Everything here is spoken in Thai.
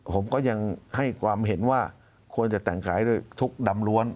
ผมก็ยังให้ความเห็นว่าควรจะแต่งขายด้วยทุกข์ดำล้วน